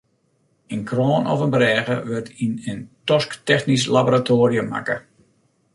In kroan of in brêge wurdt yn in tosktechnysk laboratoarium makke.